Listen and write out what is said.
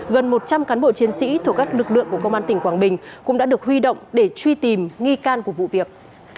gần một trăm linh cán bộ chiến sĩ thuộc các lực lượng của công an tỉnh quảng bình cũng đã được huy động để truy tìm nghi can của vụ việc